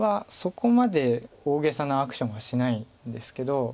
そこまで大げさなアクションはしないんですけど。